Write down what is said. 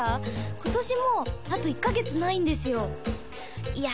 今年もうあと１カ月ないんですよいや